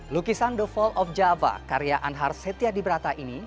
lukisan the fall of java karya anhar setia di brata ini